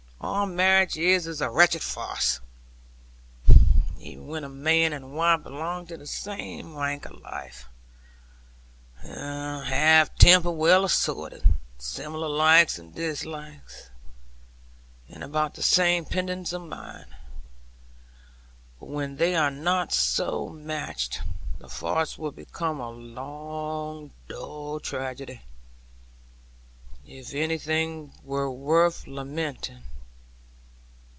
All marriage is a wretched farce, even when man and wife belong to the same rank of life, have temper well assorted, similar likes and dislikes, and about the same pittance of mind. But when they are not so matched, the farce would become a long, dull tragedy, if anything were worth lamenting.